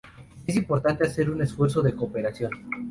Es importante hacer un esfuerzo de cooperación.